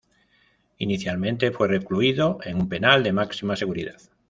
Inicialmente fue recluido en un penal de máxima seguridad.